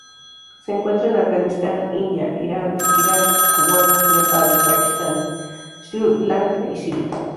Se encuentra en Afganistán, India, Irán, Irak, Kuwait, Nepal, Pakistán, Sri Lanka y Siria.